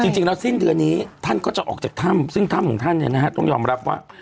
จริงแล้วสิ้นเดือนนี้ท่านก็จะออกจากถ้ำซึ่งถ้ำของท่านเนี่ยนะฮะต้องยอมรับว่า